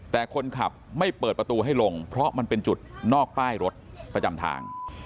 แต่คนขับไม่เปิดประตูให้ลงเพราะมันเป็นจุดนอกป้ายรถประจำทาง